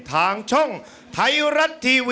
ทางช่องไทยรัต๑๙๕๕